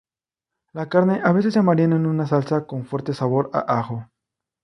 La carne a veces se marina en una salsa con fuerte sabor a ajo.